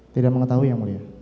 tidak mengetahui yang mulia